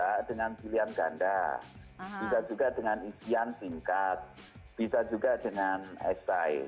bisa dengan pilihan ganda bisa juga dengan isian singkat bisa juga dengan si